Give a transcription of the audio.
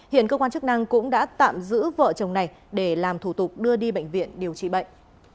hiện cơ quan chức năng cũng đã tạm giữ vợ chồng này để làm thủ tục đưa đi bệnh viện điều trị bệnh